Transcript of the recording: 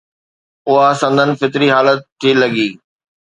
اها سندن فطري حالت ٿي لڳي.